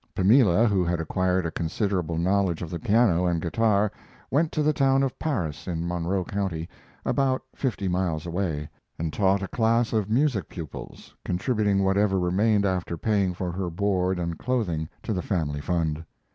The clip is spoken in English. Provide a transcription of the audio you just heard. Pamela, who had acquired a considerable knowledge of the piano and guitar, went to the town of Paris, in Monroe County, about fifty miles away, and taught a class of music pupils, contributing whatever remained after paying for her board and clothing to the family fund.